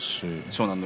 湘南乃